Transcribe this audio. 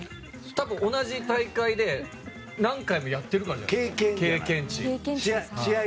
多分、同じ大会で何回もやってるからじゃない？